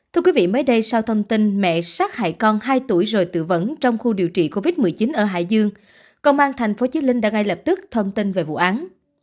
thưa quý vị mới đây sau thông tin mẹ sát hại con hai tuổi rồi tự vẫn trong khu điều trị covid một mươi chín ở hải dương công an tp hcm đã ngay lập tức thông tin về vụ án